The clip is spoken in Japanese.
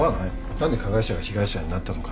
何で加害者が被害者になったのか。